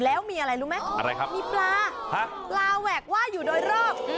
แล้วมีอะไรรู้ไหมอะไรครับมีปลาปลาแหวกว่าอยู่โดยรอบ